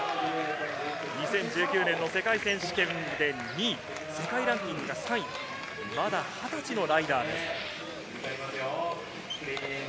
２０１９年の世界選手権で２位、世界ランキング３位、まだ２０歳のライダーです。